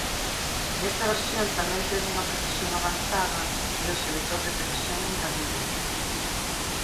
Nesta versión tamén ten unha precisión avanzada e o selector de precisión engadido.